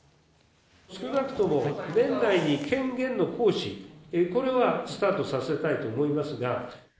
少なくとも年内に権限の行使、これはスタートさせたいと思いますが。